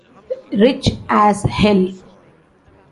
Rich as hell.